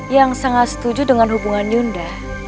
yang sangat setuju dengan hubungan yunda